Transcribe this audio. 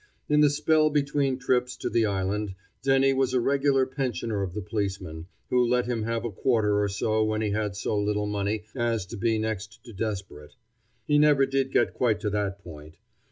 In the spell between trips to the island, Denny was a regular pensioner of the policeman, who let him have a quarter or so when he had so little money as to be next to desperate. He never did get quite to that point.